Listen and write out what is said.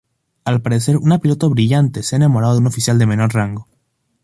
Al parecer una piloto brillante se ha enamorado de un oficial de menor rango.